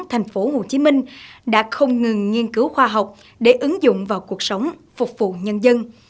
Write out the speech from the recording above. thành phố hồ chí minh đã không ngừng nghiên cứu khoa học để ứng dụng vào cuộc sống phục vụ nhân dân